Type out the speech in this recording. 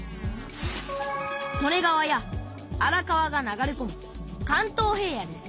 利根川や荒川が流れこむ関東平野です